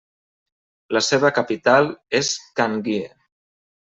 La seva capital és Kanggye.